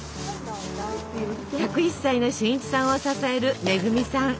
１０１歳の俊一さんを支える恵さん。